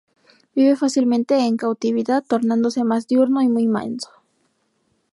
Vive fácilmente en cautividad, tornándose más diurno y muy manso.